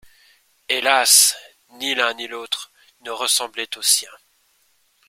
Hélas !… ni l'un ni l'autre ne ressemblait au sien.